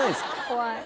怖い